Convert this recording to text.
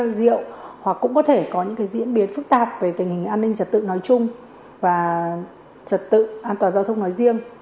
nếu có thể uống bia rượu hoặc cũng có thể có những diễn biến phức tạp về tình hình an ninh trật tự nói chung và trật tự an toàn giao thông nói riêng